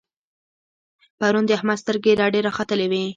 پرون د احمد سترګې رډې را ختلې وې.